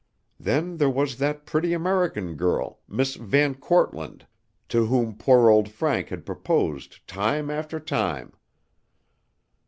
Then there was that pretty American girl, Miss VanKortland, to whom poor old Frank had proposed time after time.